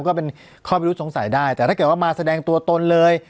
ก็เป็นข้อพิรุธสงสัยได้แต่ถ้าเกิดว่ามาแสดงตัวตนเลย